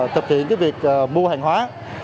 thực hiện việc mua hàng hóa